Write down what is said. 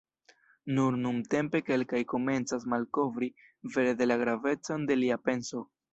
Nur nuntempe kelkaj komencas malkovri vere la gravecon de lia penso.